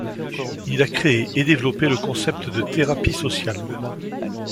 Il a créé et développé le concept de thérapie sociale.